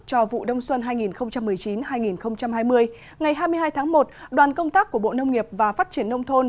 cho vụ đông xuân hai nghìn một mươi chín hai nghìn hai mươi ngày hai mươi hai tháng một đoàn công tác của bộ nông nghiệp và phát triển nông thôn